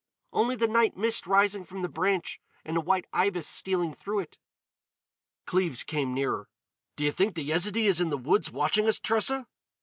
"Only the night mist rising from the branch and a white ibis stealing through it." Cleves came nearer: "Do you think the Yezidee is in the woods watching us, Tressa?"